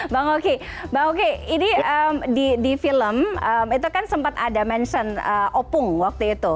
bang oki bang oki ini di film itu kan sempat ada mention opung waktu itu